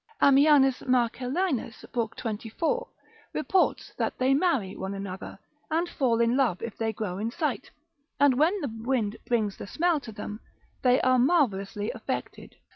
Ammianus Marcellinus, lib. 24, reports that they marry one another, and fall in love if they grow in sight; and when the wind brings the smell to them, they are marvellously affected.